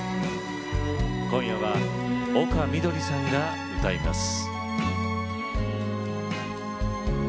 今夜は丘みどりさんが歌います。